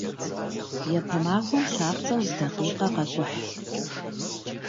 Япэ махуэм лъапцӀэу зы дакъикъэ къэкӀухь.